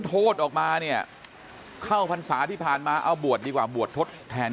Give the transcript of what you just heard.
โทษออกมาเนี่ยเข้าพรรษาที่ผ่านมาเอาบวชดีกว่าบวชทดแทน